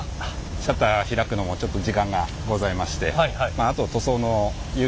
シャッター開くのもちょっと時間がございまして。